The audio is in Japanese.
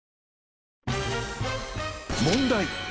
問題。